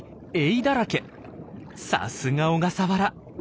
さすが小笠原。